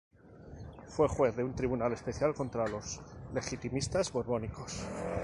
Fue juez de un tribunal especial contra los legitimistas borbónicos.